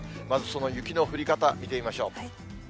まず、その雪の降り方、見てみましょう。